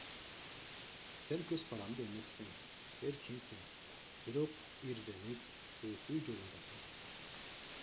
Сен көз каранды эмессиң, эркинсиң, бирок ирденип, өсүү жолундасың.